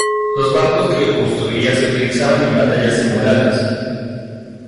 Los barcos que construía se utilizaban en batallas simuladas.